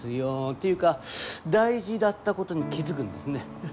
ていうか大事だったことに気付くんですね。